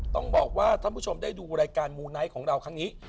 ต้องบอกว่าท่านผู้ชมได้ดูรายการมูไนท์ของเราครั้งนี้